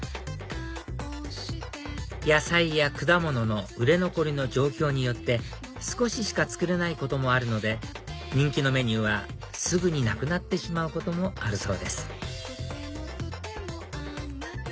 野菜や果物の売れ残りの状況によって少ししか作れないこともあるので人気のメニューはすぐになくなってしまうこともあるそうです